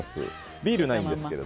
ビールはないんですが。